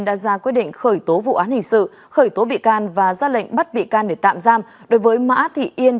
đã ra quyết định khởi tố vụ án hình sự khởi tố bị can và ra lệnh bắt bị can để tạm giam đối với mã thị yên